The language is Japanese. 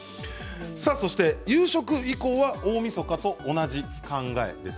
そして夕食以降は大みそかと同じ考えです。